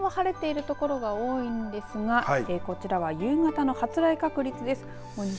きょうこの時間は晴れているところが多いんですがこちらは夕方の発雷確率です。